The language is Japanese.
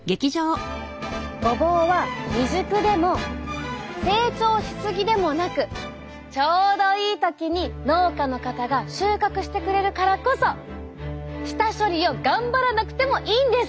ごぼうは未熟でも成長し過ぎでもなくちょうどいい時に農家の方が収穫してくれるからこそ下処理を頑張らなくてもいいんです。